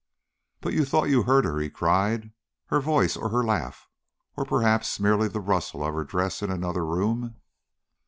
"But you thought you heard her," he cried; "her voice, or her laugh, or perhaps merely the rustle of her dress in another room?"